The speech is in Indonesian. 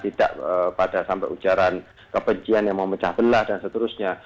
tidak pada sampai ujaran kebencian yang memecah belah dan seterusnya